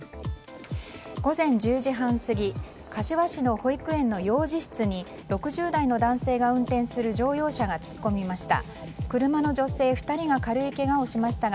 午前１０時半過ぎ柏市の保育園の幼児室に６０代の男性が運転する乗用車が突っ込みました。